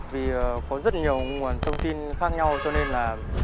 vì có rất nhiều nguồn thông tin khác nhau cho nên là